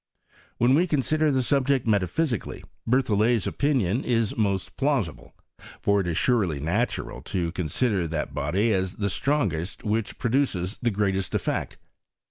When we consider the subject metaphysically, Berthollet's opinion is most plausible ; fo.r it is surely natural to consider that body as the strongest which produces the greatest effect.